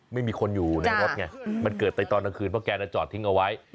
ไม่มีคนอยู่ในรถไงมันเกิดไปตอนกลางคืนเพราะแกจอดทิ้งเอาไว้